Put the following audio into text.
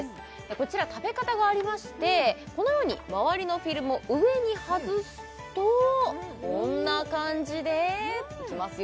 こちら食べ方がありましてこのように周りのフィルムを上に外すとこんな感じでいきますよ